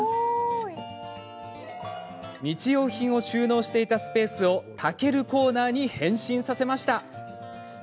日用品を収納していたスペースを健コーナーに変身させました。